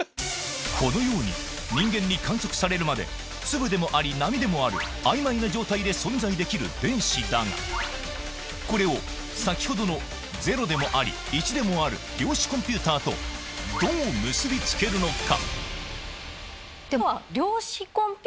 このように人間に観測されるまで粒でもあり波でもある曖昧な状態で存在できる電子だがこれを先ほどの０でもあり１でもある量子コンピューターとどう結び付けるのか？